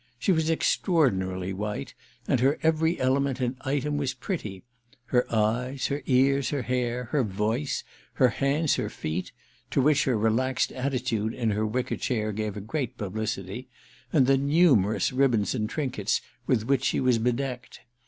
She was extraordinarily white, and her every element and item was pretty; her eyes, her ears, her hair, her voice, her hands, her feet—to which her relaxed attitude in her wicker chair gave a great publicity—and the numerous ribbons and trinkets with which she was bedecked.